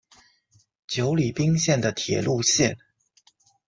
久里滨线的铁路线。